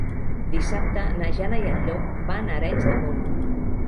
Dissabte na Jana i en Llop van a Arenys de Munt.